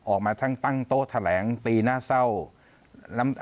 ออกมาทั้งตั้งโต๊ะแถลงตีหน้าเศร้า